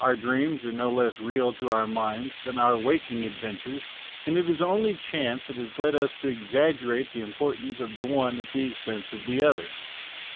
Our dreams are no less real to our minds than our waking adventures, and it is only chance that has led us to exaggerate the im portance of the one at the expense of the other.